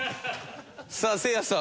さあせいやさん。